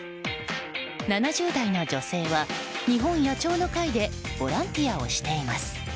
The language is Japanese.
７０代の女性は日本野鳥の会でボランティアをしています。